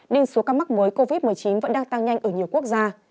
nên số ca mắc mới covid một mươi chín vẫn đang tăng nhanh ở nhiều quốc gia